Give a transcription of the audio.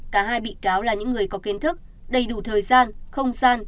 cả hai bị cáo là những người có kiến thức đầy đủ thời gian không gian